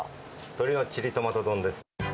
鶏のチリトマト丼です。